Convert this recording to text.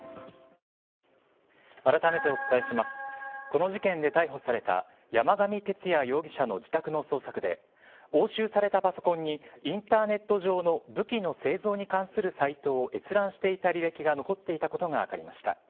この事件で逮捕された山上徹也容疑者の自宅の捜索で押収されたパソコンにインターネット上の武器の製造に関するサイトを閲覧していた履歴が残っていたことが分かりました。